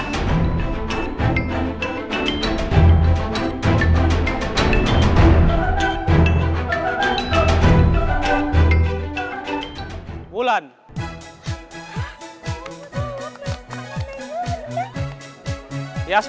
dan mereka yang terpilih adalah